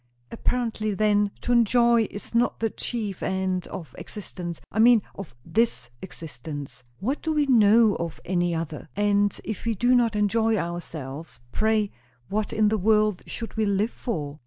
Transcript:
"Apparently, then, to enjoy is not the chief end of existence. I mean, of this existence." "What do we know of any other? And if we do not enjoy ourselves, pray what in the world should we live for?"